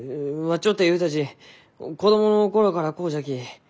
ちょったゆうたち子供の頃からこうじゃき。